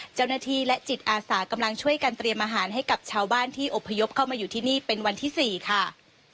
เจ้าหน้าที่และจิตอาสากำลังช่วยกันเตรียมอาหารให้กับชาวบ้านที่อบพยพเข้ามาอยู่ที่นี่เป็นวันที่๔ค่ะ